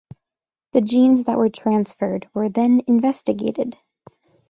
The genes that were transferred were then investigated.